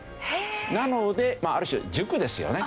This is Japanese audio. なのである種塾ですよね。